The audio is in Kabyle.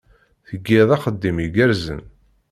Tgiḍ axeddim igerrzen.